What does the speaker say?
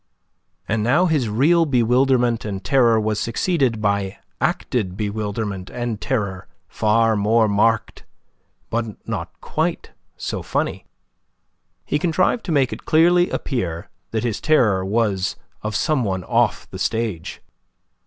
And now his real bewilderment and terror was succeeded by acted bewilderment and terror far more marked, but not quite so funny. He contrived to make it clearly appear that his terror was of some one off the stage.